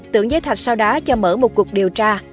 tưởng giới thạch sau đó cho mở một cuộc điều tra